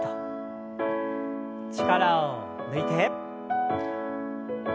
力を抜いて。